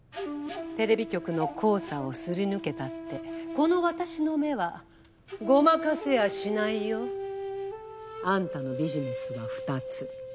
テレビ局の考査を擦り抜けたってこの私の目はごまかせやしないよ。あんたのビジネスは２つ。